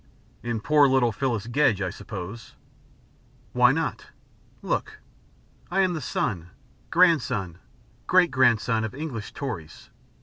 "In poor little Phyllis Gedge, I suppose?" "Why not? Look. I am the son, grandson, great grandson, of English Tories.